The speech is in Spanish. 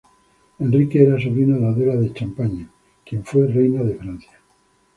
Enrique era sobrino de Adela de Champaña, quien fue reina de Francia.